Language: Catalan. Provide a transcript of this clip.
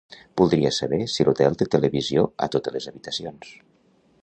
Voldria saber si l'hotel té televisió a totes les habitacions.